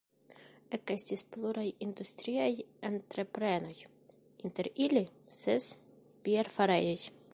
Ekestis pluraj industriaj entreprenoj, inter ili ses bierfarejoj.